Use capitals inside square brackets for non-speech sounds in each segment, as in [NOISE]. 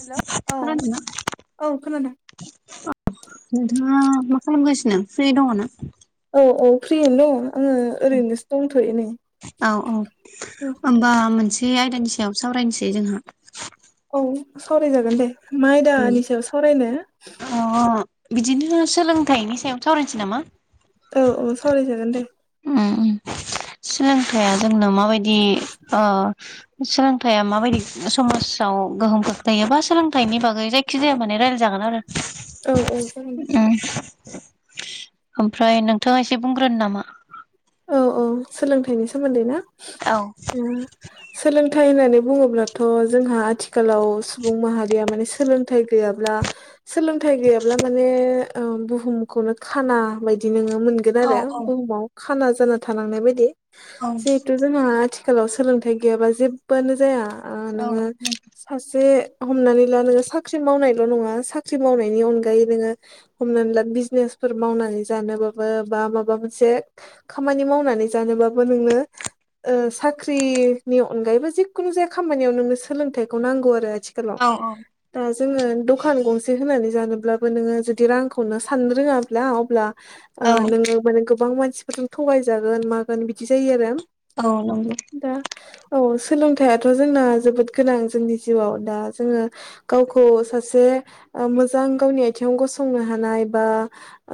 हेल' औ खोनादोंना औ खोनादों। नोंथाङा मा खालामगासिनो फ्रि दङ ना। औ औ फ्रियानो दङ आङो ओरैनोसो दंथ'यनै। होमबा। ए आयदानि सायाव सावरायनोसै जोंहा। औ सावरायजागोन दे माइ आयदानि सायाव सावरायनो। अ बिदिनो सोलोंथाइनि सायाव सावरायनोसै नामा। औ औ सावरायजागोन दे। उम सोलोंथाइया जोंनो माबायदि ओ। सोलोंथायाइआ माबायदि समाजाव गोहोम खोख्लैयोबा सोलोंथाइनि बागै जायखिजाया माने रायलायजागोन आरो। औ औ जागोन। ओमफ्राय नोंथाङा एसे बुंग्रोनो नामा। औ औ सोलोंथाइनि सोमोन्दै ना औ ओम सोलों। -थाइ होननानै बुङोब्लाथ' जोंहा आथिखालाव सुबुं माहारिया माने सोलोंथाइ गैयाब्ला सोलोंथाइ गैयाब्ला माने ओम बुहुमखौनो खाना बायदि नोङो मोनगोन आरो बुहुमाव खाना जाना थानांनाय बायदि औ जिहेथु जोंहा आथि आथिखालाव सोलोंथाइ गैयाबा जेबबोआनो जाया औ नोङो सासे हमनानै ला नोङो साख्रि मावनायल' नङा साख्रि मावनायनि अनगायै नोङो हमनानै ला बिजनेस -फोर मावनानै जानोबाबो बा माबा मोनसे खामानि मावनानै जानोबाबाबो नोंनो साख्रिनि अनगायैबो जिखुनु खामानियाव नोंनो सोलोंथाइखौ नांगौ आरो आथिखालाव औ दा जोङो दखान गंसे होनानै जानोब्लाबो नोङो जुदि रांखौनो साननो रोङाब्ला अब्ला औ ओ नोङो माने गोबां मानसिफोरजों थगायजागोन मागोन बिदि जायो आरो। औ नंगौ दा औ सोलोंथाइथ' जोंना जोबोद गोनां जोंनि जिउआव दा जोङो गावखौ सासे ओ मोजां गावनि आथिङाव गसंनो हानाय बा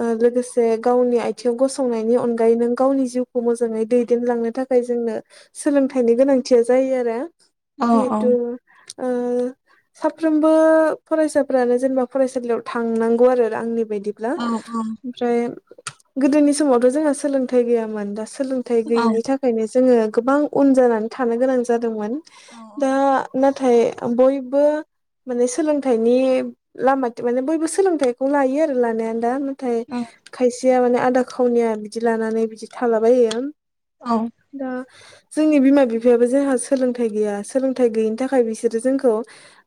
ओ लोगोसे गावनि आयथिङाव गसंनायनि अनगा -यै नों गावनि जिउखौ मोजाङै दैदेनलांनो थाखाय जोंनो सोलोंथाइनि गोनांथिया जायो आरो। औ औ जिहेतु ओ साफ्रोमबो फरायसाफ्रानो जेनेबा फरायसालियाव थांनांगौ आरो आंनि बिदिब्ला ओमफ्राय गोदोनि समावथ' जोंहा सोलोंथाइ गैयामोन दासो सोलोंथाइ औ गैयिनि थाखायनो जोङो गोबां उन जानानै थानो गोनां जादोंमोन। दा नाथाय बयबो माने सोलोंथाइनि लामाथिं माने बयबो सोलोंथाइखौ लायो आरो लानाया द नाथाय औ खायसेया माने आदा खावनिया बिदि लानानै बिदि थालाबायो। औ दा जोंनि बिमा बिफायाबो जोंहा सोलोंथाइ गैया सोलोंथाइ गैयिनि थाखाय बिसोरो जोंखौ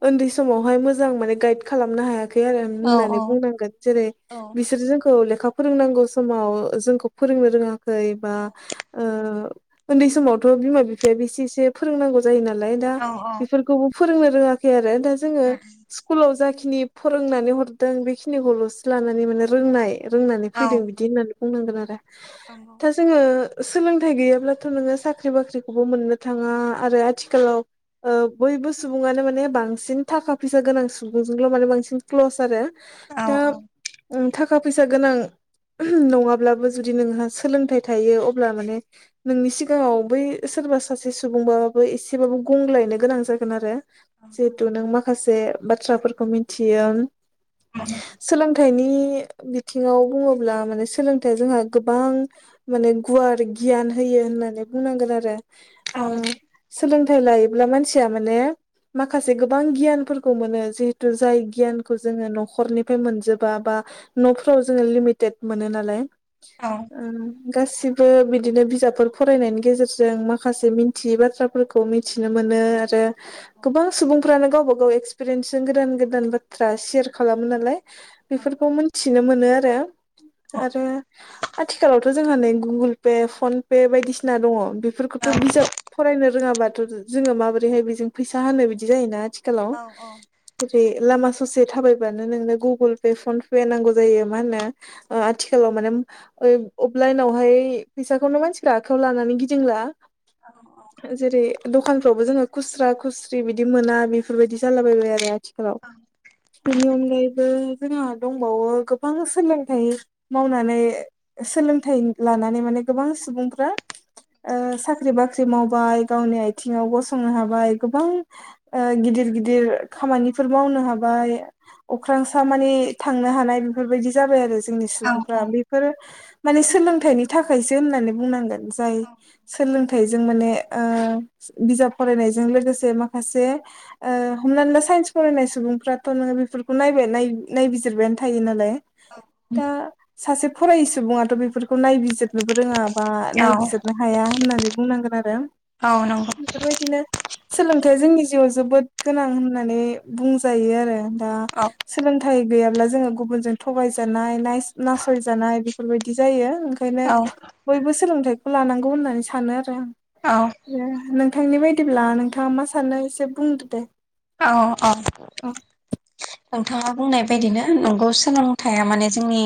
उन्दै बै समावहाय मोजां माने गाइड खालामनो हायाखै। आरो औ होननानै बुंनांगोन जेरै औ बिसोर जोंखौ लेखा फोरोंनांगौ समाव जोंखौ फोरोंनो रोङाखै एबा ओ उन्दै समावथ' बिमा-बिफाया बेसे एसे फोरोंनांगौ जायो नालाय दा औ बेफोरखौबो फोरोंनो रोङाखै आरो दा जोङो उम स्कुलाव जाखिनि दिनि फोरोंनानै हरदों बेखिनिखौल'सो लानानै माने रोंनाय रोंनानै औ फैदों बिदि होननानै बुंनांगोन आरो नंगौ दा जोङो। सोलोंथाइ गैयाब्लाथ' नोङो साख्रि बाख्रिखौबो मोननो थाङा आरो आथिखालाव ओ बयबो सुबुङानो माने बांसिन थाखा फैसा गोनां सुबुंजोंल' माने बांसिन क्ल‌'स आरो। औ औ ओं थाखा फैसा गोनां नङाब्लाबो जुदि नोंहा सोलोंथाइ थायो अब्ला माने नोंनि सिगाङाव बै सोरबा सासे सुबुं बा एसेबाबो गंग्लायनो गोनां जागोन आरो। जिहेथु नों माखासे बाथ्राफोरखौ मिथियो सोलोंथाइनि - बिथिङाव बुङोब्ला माने सोलोंथाइया जोंहा गोबां माने गुवार गियान होयो होननानै बुंनांगोन आरो। ओ औ सोलोंथाइ लायोब्ला मानसिया माने माखासे गोबां गियानफोरखौ मोनो जिहेतु जाय गियानखौ जोङो न'खरनिफ्राय मोनजोबा बा न'फोराव जोङो लिमिटेड मोनो नालाय। औ गासिबो बिदिनो बिजाबफोर फरायनायनि गेजेरजों माखासे मिथियै बाथ्राफोरखौ मिथिनो मोनो। आरो गोबां सुबुंफ्रानो गावबा गाव एक्सपिरियेन्सजों गोदान-गोदान बाथ्रा शेयार खालामो नालाय। बेफोरखौ मोनथिनो मोनो आरो आरो आथिखालावथ' जोङो गुगुल पे फन पे बायदिसिना दङ बेफोरखौथ' बिजाब फरायनो रोङाबा जोङो माबोरैहाय बे फैसा होनो बिदि जायोना आथिखालाव औ औ जेरै लामा ससे थाबायबानो नोंनो गुगुल पे फन पे नांगौ जायो मा होनो आथिखालाव माने। अबलाइनावहाय फैसाखौनो मानसिफोरा आखायाव लानानै गिदिंला नंगौ औ जेरै दखानफ्रावबो जोङो खुस्रा-खुस्रि बिदि मोना बेफोरबायदि जालाबायबाय आरो आथिखाल बेनि अनगायै। बो जोंहा दंबावो गोबां सोलोंथाइ मावनानै सोलोंथाइ लानानै माने गोबां सुबुंफ्रा ओ साख्रि-बाख्रि मावबाय। गावनि आयथिङाव गसंनो हाबाय गोबां ओ गिदिर-गिदिर खामानिफोर मावनो नो हाबाय अख्रांसा मानि थांनो हानाय बेफोरबायदि जाबाय आरो। जोंनि औ सुबुंफ्रा बेफोर माने सोलोंथाइनि थाखायसो होननानै बुंनांगोन। जाय सोलोंथाय जों माने ओ बिजाब फरायनायजों लोगोसे माखासे ओ हमनानै ला साइन्स फरायनाय सुबुंफ्राथ' नोङो बेफोरखौ नायबाय नाय बिजिरबायानो थायो नालाय। दा [INAUDIBLE] सासे फरायै सुबुङाथ' बेफोरखौ नायबिजिरनोबो रोङा। बा नायबिजिरनो हाया होननानै बुंनांगोन आरो बेफोरबायदिनो सोलोंथाइया जोंनि जिउआव जोबोद गोनां होननानै बुंजायो आरो। सोलोंथाइ गैयाब्ला जोङो गुबुनजों थगायजानाय नासय जानाय बेफोरबायदि जायो ओंखायनो बयबो सोलोंथाइखौ लानांगौ होननानै सानो आरो आं नोंथांनि बायदिब्ला नोंथाङा मा सानो एसे बुंदो दे औ औ औ नोंथाङा बुंनाय बायदिनो नंगौ सोलोंथाइया माने जोंनि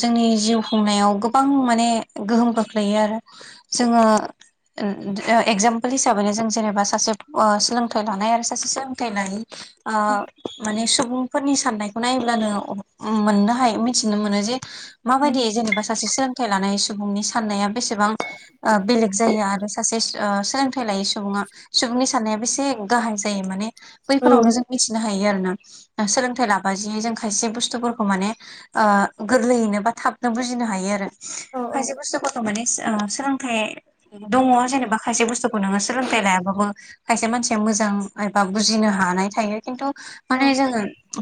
जोंनि जिउ खुंनायाव गोबां माने गोहोम खोख्लैयो आरो जोङो एकजामपोल हिसाबै हिसाबैनो जों जेनेबा सासे सोलोंथाइ लानाय आरो सासे सोलोंथाइनाय माने सुबुं फोरनि सान्नायखौ नायब्लानो मोननो हायो मिथिनो मोनो जे माबायदि जेनेबा सासे सोलोंथाइ लानाय सुबुंनि साननाया बेसेबां बेलेग जायो आरो सासे सोलोंथाइ लायै सुबुङा सुबुंनि साननाय से गाहाय जायो माने औ बैफोरावनो जों मिथिनो हायो आरोना सोलोंथाइ लाबा जि जों खायसे बुस्थुफोरखौ माने गोरलैयैनो बा थाब नों बुजिनो औ खायसे बसतु फोरखौ माने सोलोंथाइ दङ जेनेबा खायसे बुस्थुखौ नोङो सोलोंथाइ लायाबाबो खायसे मानसिया मोजां एबा बुजिनो हानाय थायो खिन्थु औ माने जोङो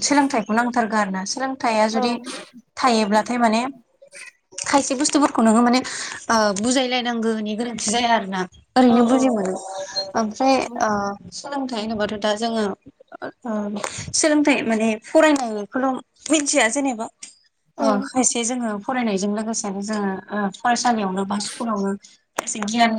सोलोंथाइखौ नांथारगौ आरो ना सोलोंथाइया औ जुदि थायोब्लाथाय माने खायसे बुस्थुफोरखौ नोङो माने बुजायलायनांगौनि गोरोन्थि जाया आरो ना औ ओरैनो बुजि मोनो ओमफ्राय सोलोंथाइ थाय होनोबाथ' दा जोङो सोलोंथाइ माने फरायनायखौल' मिथिया जेनेबा अ औ खायसे जोङो फरायनायजों लोगोसेनो जोङो फरायसालियावनो बा स्कुलावनो एसे गियान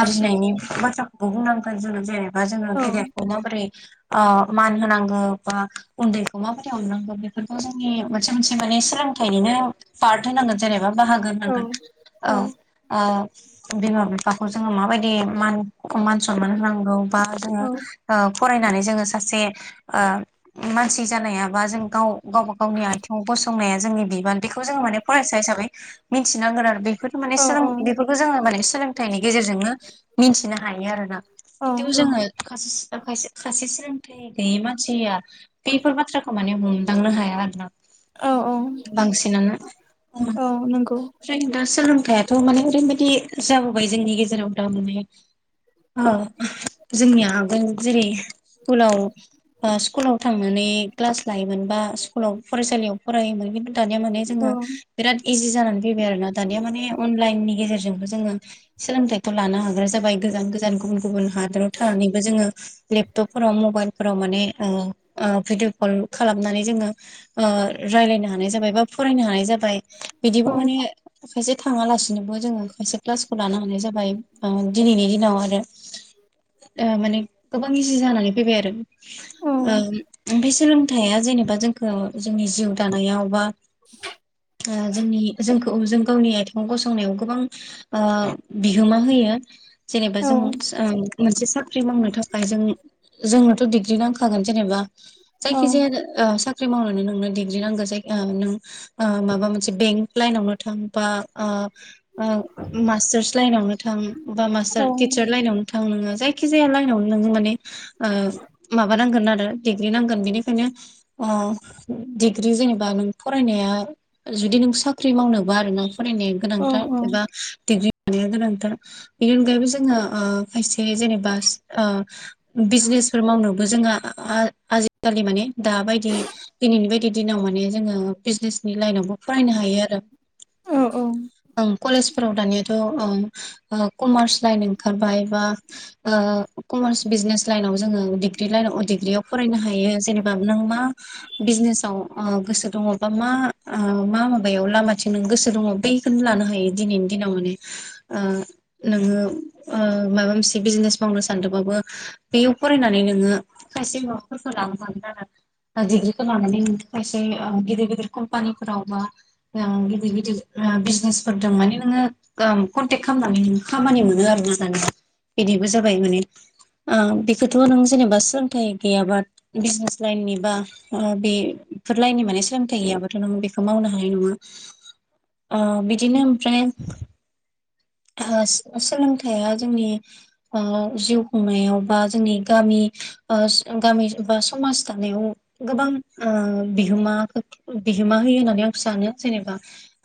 आरजिनायनि बाथ्राखौबो बुंनांगोन जोङो जेनेबा जोङो गेदेर औ मान होनांगौ बा उन्दैखौ माबोरै अननांगोन बेफोरखौ जोंनि मोनसे एसे माने सोलोंथाइनिनो पार्ट होनांगोन जेनेबा बाहागो होनांगोन औ औ बिमा बिफाखौ जोङो माबायदि मान मान सनमान होनांगौ बा औ जोङो ओ फरायनानै जोङो सासे मानसि जानायाबा जों गाव गावबा गावनि आथिङाव गसंनाया जोंनि बिबान बेखौ जोङो माने फरायसा हिसाबै मिन्थिनांगोन आरो बे बेथ' माने औ सोलों बेफोरखौ जोङो माने सोलोंथाइनि गेजेरजोंनो मिथिनो हायो आरोना औ बिदियाव जोङो दा खाय खायसे सोलोंथाइ गैयै मानसिया बेफोर बाथ्राखौ माने हमदांनो हाया आरोना औ बांसिनानो औ नंगौ बेनिफ्राय दा सोलोंथायाइ थ' माने ओरैबायदि जाबोबाय जोंनि गेजेराव दा माने जोंनिया आगोल जेरै स्कुलाव स्कुलाव थांनानै क्लास लायोमोन बा स्कुलाव फरायसालियाव फरायोमोन खिन्थु दानिया माने औ जोङो बिराद इजि जानानै फैबाय आरोना दानिया माने अनलाइननि गेजेरजोंबो जोङो सोलोंथाइखौ लानो हाग्रा जाबाय गोजान गोजान गुबुन गुबुन हादराव थानानैबो जोङो लेपटपफोराव मबाइलफोराव माने भिदिअ कल खालामनानै जोङो रायलायनो हानाय जाबाय बा फरायनो हानाय जाबाय बिदिबो औ माने खायसे थाङालासिनोबो जोङो क्लासखौ लानो हानाय जाबाय दिनैनि दिनाव आरो माने गोबां इजि जानानै फैबाय आरो औ ओमफ्राय सोलोंथाइया जेनेबा जोंखौ जोंनि जिउ दानायाव बा [INAUDIBLE] जोंनि जोंखौ जों गावनि आथिङाव गसंनायाव गोबां बिहोमा होयो जेनेबा औ जों मोनसे साख्रि मावनो थाखाय जों जोंनोथ' डिग्रि नांखागोन जेनेबा औ जायखिजाया ख्रि मावनानै नोंनो डिग्रि नांगौ जायो नों ओ माबा मोनसे बेंक लाइनावनो थांबा ओ ओ मास्टारस लाइनावनो थां बा मास्टार टिचार लाइनावनो थां नोङो जायखि जाया लाइनावनो नोङो माने ओ माबा नांगोन आरो डिग्रि नांगोन बेनिखायनो अ। डिग्रि जेनेबा नों फरायनाया जुदि नों साख्रि मावनोबा आरोना। फरायनाया औ गोनांथार एबा डिग्रि थानाया गोनांथार बेनि अनगायैबो जोङो ओ खायसे जेनेबा ओ उम बिजनेसफोर मावनोबो जोंहा आ-आ-आ-आजिखालि माने दाबायदि दिनैनि बायदि दिनाव माने जोङो बिजनेसनि लाइनावबो फरायनो हायो आरो। औ औ। ओं कलेजफोराव दानियाथ' ओ ओ कमार्स लाइन ओंखारबाय बा ओ कमार्स बिजनेस लाइनयाव जोङो डिग्रि लाइनाव अ भडिग्रियाव फरायनो हायो जेनेबा नों मा बिज जिनेसाव ओ गोसो दङ बा मा ओ मा माबायाव लामाथिं नों गोसो दङ बैखौनो लानो हा यो दिनैनि दिनाव माने ओ नोङो ओ माबा मोनसे बिजिनेस मावनो सा सान्दोंबाबो बेयाव फरायनानै नोङो खायसे माबाफोरखौ लांबानो [UNINTELLIGIBLE] ओ डिग्रिखौ लानानै खायसे ओ गिदिर गिदिर कम्पानिफोराव बा ओ गिदिर गिदिर ओ बिजिनेसफोरदों माने नोङो ओम कन्टेक्ट खालामनानै नों खामानि मोनो आरोना दानिया। बिदिबो जाबाय माने ओ बेखौथ' नों जेनेबा सोलोंथाइ गैयाबा बिजिनेस लाइननि बा ओ बे फोर लाइनि माने सोलोंथाइ गैयाबथ' नों बेखौ मावनो हानाय नङा। ओ बिदिनो ओमफ्राय ओ सो-सोलोंथाइया जोंनि ओ जिउ खुंनायाव बा जोंनि गामि ओ सि गामि ओ बा समाज दानायाव गोबां ओ बिहोमा ओ बिहोमा होयो होननानै आं सानो जेनेबा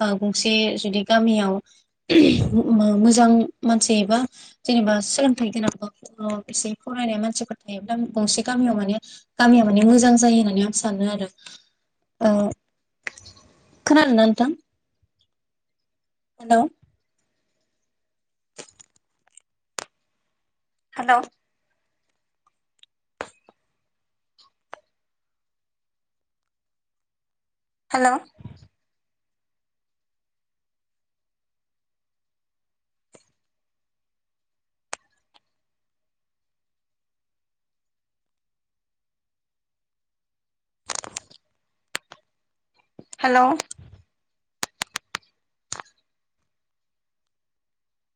ओ गंसे जुदि गामि मियाव मो-मो-मोजां मानसि एबा जेनेबा सोलोंथाइ गोनां अ एसे फरायनाय मानसिफोर थायोब्ला गंसे गामियाव माने गामिया माने मोजां जायो होननानै आं सान नो आरो। ओ खोनादों ना नोंथां? हेल'। हेल'। हेल'। हेल'।